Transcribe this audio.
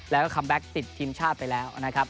แล้วก็คัมแบ็คติดทีมชาติไปแล้วนะครับ